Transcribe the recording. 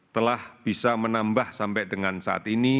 telah bisa menambah sampai dengan saat ini